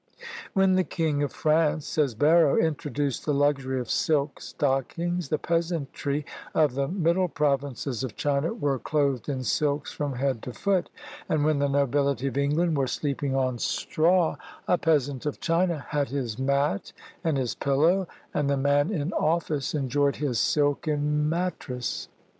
"When the king of France," says Barrow, "introduced the luxury of silk stockings, the peasantry of the middle provinces of China were clothed in silks from head to foot; and when the nobility of England were sleeping on straw, 30 CUSTOMS OF CONFUCIUS'S DAY a peasant of China had his mat and his pillow, and the man in office enjoyed his silken mattress."